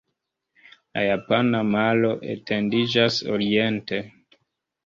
La Japana Maro etendiĝas oriente.